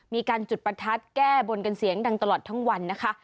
มีการจุดประทัดแก้บนกันเสียงดังตลอดทั้งวันนะคะ